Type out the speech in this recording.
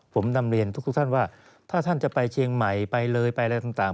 ผมนำเรียนทุกท่านว่าถ้าท่านจะไปเชียงใหม่ไปเลยไปอะไรต่าง